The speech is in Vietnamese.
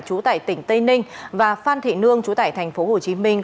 trú tại tỉnh tây ninh và phan thị nương trú tại thành phố hồ chí minh